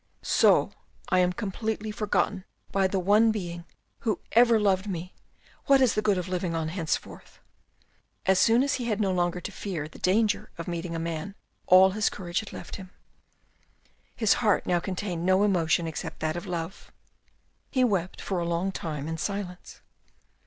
" So I am completely forgotten by the one being who ever loved me, what is the good of living on henceforth ?" As soon as he had no longer to fear the danger of meeting a man all his courage had left him; his heart now contained no emotion except that of love. He wept for a long time in silence.